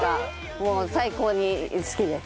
もう最高に好きです。